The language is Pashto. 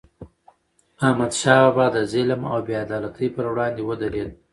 احمد شاه بابا د ظلم او بې عدالتی پر وړاندې ودرید.